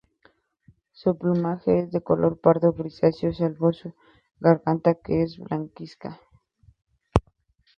Su plumaje es de color pardo grisáceo salvo su garganta que es blanquecina.